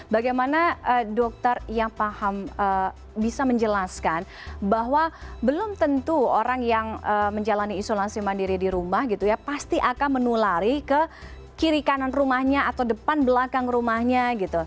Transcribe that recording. bagaimana dokter yang paham bisa menjelaskan bahwa belum tentu orang yang menjalani isolasi mandiri di rumah gitu ya pasti akan menulari ke kiri kanan rumahnya atau depan belakang rumahnya gitu